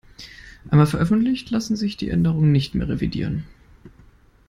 Einmal veröffentlicht, lassen sich die Änderungen nicht mehr revidieren.